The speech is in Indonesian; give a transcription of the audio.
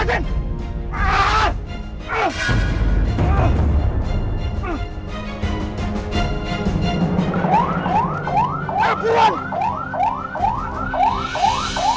jangan tersebuahin ya